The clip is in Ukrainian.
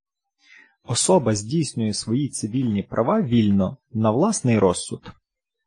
Особа здійснює свої цивільні права вільно, на власний розсуд.